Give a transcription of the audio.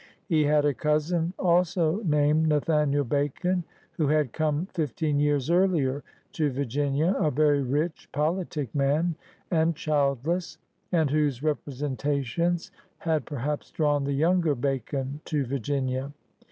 He had a cousin, also named Nathaniel Bacon, who had come fifteen years earlier to Virginia "a very rich, politic man and childless, and whose representations had per haps drawn the younger Bacon to Virginia.